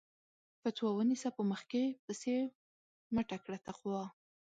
فَتوا ونيسه په مخ کې پسې مٔټه کړه تقوا